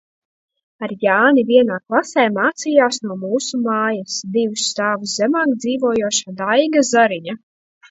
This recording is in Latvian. Ar Jāni vienā klasē mācījās no mūsu mājas, divus stāvus zemāk dzīvojošā Daiga Zariņa.